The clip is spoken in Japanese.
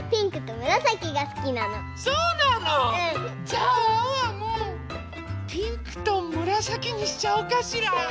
じゃあワンワンもピンクとむらさきにしちゃおうかしら。